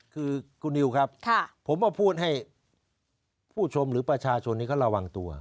คือคุณนิวครับผมมาพูดให้ผู้ชมหรือประชาชนที่เขาระวังตัว